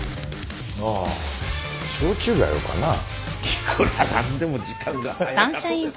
いくら何でも時間が早かとです。